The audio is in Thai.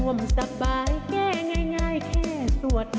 น้ำถวมสบายแก้ง่ายแค่สวดมนต์